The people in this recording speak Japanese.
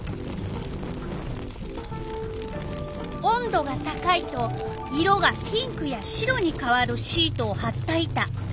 温度が高いと色がピンクや白にかわるシートをはった板。